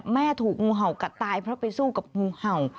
ถูกงูเห่ากัดตายเพราะไปสู้กับงูเห่า